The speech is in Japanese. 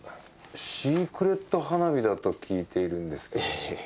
シークレット花火だと聞いているんですけど。